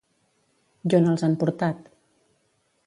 I on els han portat?